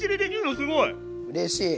うれしい。